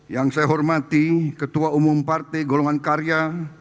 yang saya hormati ketua umum partai golongan karya